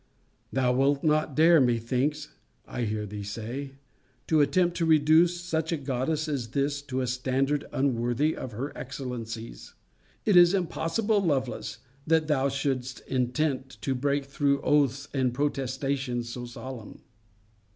'Thou wilt not dare, methinks I hear thee say, to attempt to reduce such a goddess as this, to a standard unworthy of her excellencies. It is impossible, Lovelace, that thou shouldst intent to break through oaths and protestations so solemn.'